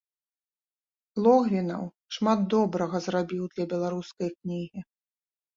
Логвінаў шмат добрага зрабіў для беларускай кнігі.